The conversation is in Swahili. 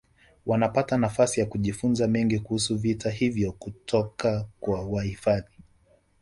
Wanapata nafasi ya kujifunza mengi kuhusu vitu hivyo kutoka kwa wahifadhi